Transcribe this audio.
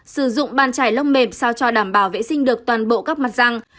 sử dụng bàn chảy lốc mềm sao cho đảm bảo vệ sinh được toàn bộ các mặt răng